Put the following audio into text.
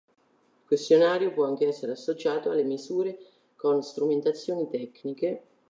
Il questionario può anche essere associato alle misure con strumentazioni tecniche.